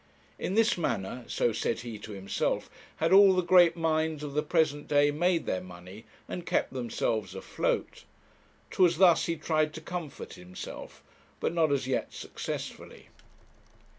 In this manner, so said he to himself, had all the great minds of the present day made their money, and kept themselves afloat. 'Twas thus he tried to comfort himself; but not as yet successfully.